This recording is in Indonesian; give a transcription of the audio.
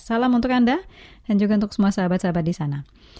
salam untuk anda dan juga untuk semua sahabat sahabat di sana